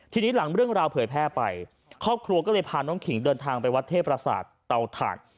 ทีนี้หลังเรื่องราวเผยแพร่ไปครอบครัวก็เลยพาน้องขิงเดินทางไปวัดเทพประสาทเตาถ่าน